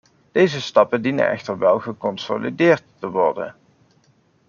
Deze stappen dienen echter wel geconsolideerd te worden.